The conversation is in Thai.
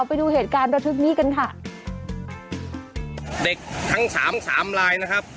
ไปดูเหตุการณ์ระทึกนี้กันค่ะเด็กทั้งสามสามลายนะครับ